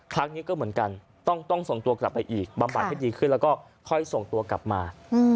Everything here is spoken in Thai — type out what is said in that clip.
ครั้งนี้ก็เหมือนกันต้องส่งตัวกลับไปอีกบำบัดให้ดีขึ้นแล้วก็ค่อยส่งตัวกลับมา